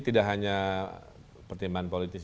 tidak hanya pertimbangan politik